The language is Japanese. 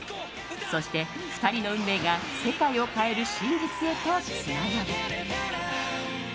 そして、２人の運命が世界を変える真実へとつながっていく。